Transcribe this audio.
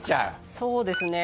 そうですね。